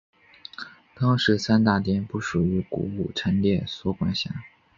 当时三大殿不属古物陈列所管辖。